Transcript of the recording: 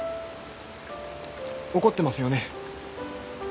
怒ってますよね？